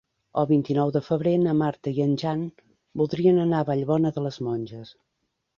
El vint-i-nou de febrer na Marta i en Jan voldrien anar a Vallbona de les Monges.